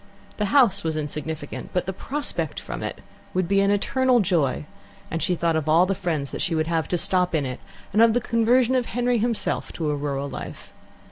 The house was insignificant, but the prospect from it would be an eternal joy, and she thought of all the friends she would have to stop in it, and of the conversion of Henry himself to a rural life.